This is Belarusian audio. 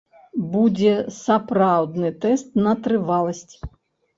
Будзе сапраўдны тэст на трываласць.